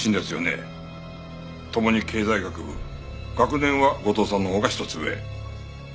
共に経済学部学年は後藤さんのほうが一つ上。